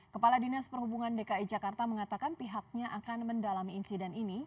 kepala dinas perhubungan dki jakarta mengatakan pihaknya akan mendalami insiden ini